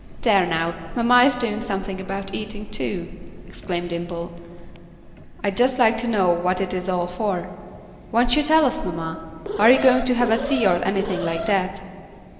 "There, now, mamma is doing something about eating, too," exclaimed Dimple. "I'd just like to know what it is all for. Won't you tell us, mamma? Are you going to have a tea or anything like that?"